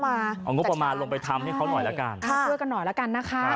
เอาเงิบประมาณลงไปทำให้เขาหน่อยละกัน